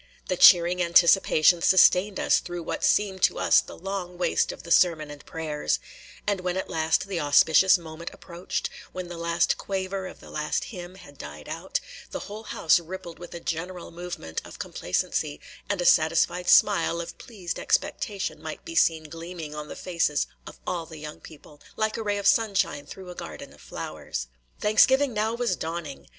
The cheering anticipation sustained us through what seemed to us the long waste of the sermon and prayers; and when at last the auspicious moment approached, – when the last quaver of the last hymn had died out, – the whole house rippled with a general movement of complacency, and a satisfied smile of pleased expectation might be seen gleaming on the faces of all the young people, like a ray of sunshine through a garden of flowers. Thanksgiving now was dawning!